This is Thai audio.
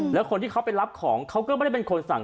แล้วคนที่เขาไปรับของเขาก็ไม่ได้เป็นคนสั่ง